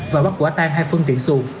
và bắt quả tan hai phương tiện xuồng